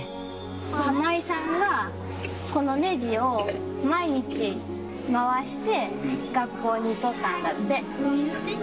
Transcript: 浜井さんが、このねじを毎日回して、学校にいっとったんだって。